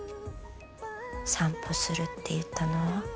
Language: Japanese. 散歩するって言ったのは？